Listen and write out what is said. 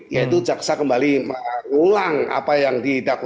yaitu jaksa kembali ulang